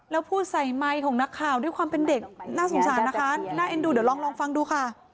แล้วพูดใส่ไมค์ของนักข่าวด้วยความเป็นเด็กน่าสงสารนะคะน่าเอ็นดูเดี๋ยวลองฟังดูค่ะ